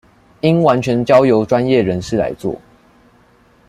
應完全交由專業人士來做